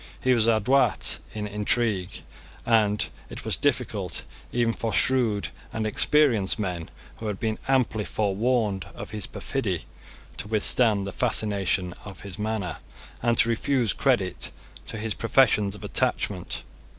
He was adroit in intrigue; and it was difficult even for shrewd and experienced men who had been amply forewarned of his perfidy to withstand the fascination of his manner, and to refuse credit to his professions of attachment.